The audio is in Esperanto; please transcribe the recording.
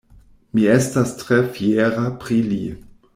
Mi estas tre fiera pri li.